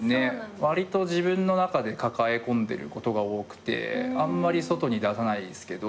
わりと自分の中で抱え込んでることが多くてあんまり外に出さないですけど。